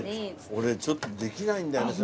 俺ちょっとできないんだよね。